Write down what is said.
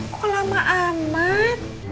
kok lama amat